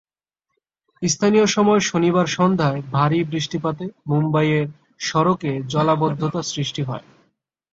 স্থানীয় সময় শনিবার সন্ধ্যায় ভারী বৃষ্টিপাতে মুম্বাইয়ের সড়কে জলাবদ্ধতা সৃষ্টি হয়।